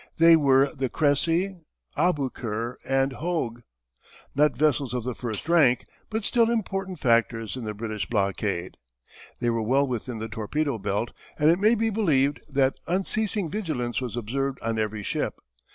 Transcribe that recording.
They were the Cressy, Aboukir, and Hogue not vessels of the first rank but still important factors in the British blockade. They were well within the torpedo belt and it may be believed that unceasing vigilance was observed on every ship.